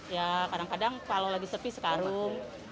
ya kadang kadang kalau lagi sepi sekarung